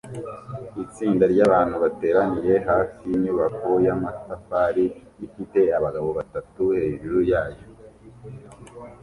Itsinda ryabantu bateraniye hafi yinyubako yamatafari ifite abagabo batatu hejuru yayo